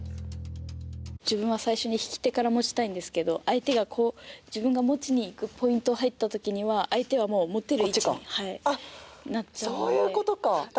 自分は最初に引き手から持ちたいんですけど相手が自分が持ちにいくポイントに入った時には相手はもう持てる位置になっているので。